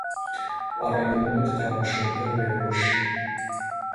პარალელურად თანამშრომლობდა „ლელოში“.